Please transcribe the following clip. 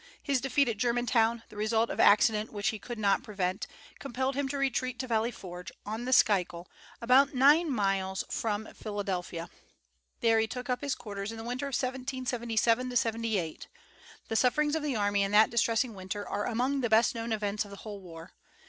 His defeat at Germantown, the result of accident which he could not prevent, compelled him to retreat to Valley Forge, on the Schuylkill, about nine miles from Philadelphia. There he took up his quarters in the winter of 1777 78. The sufferings of the army in that distressing winter are among the best known events of the whole war.